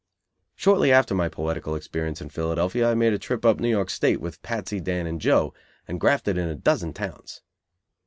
Shortly after my poetical experience in Philadelphia I made a trip up New York State with Patsy, Dan and Joe, and grafted in a dozen towns.